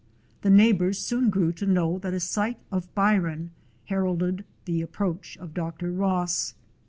The neighbors soon grew to know that a sight of Byron heralded the approach of Dr. Ross.